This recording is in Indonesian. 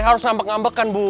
harus ngambek ngambekkan bu